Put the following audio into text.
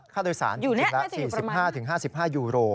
ข้าโดยสารจริงล่ะ๔๕๕๕ยูโร